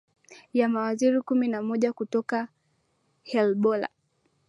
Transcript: ya mawaziri kumi na moja kutoka helzbolla